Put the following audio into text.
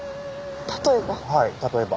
例えば？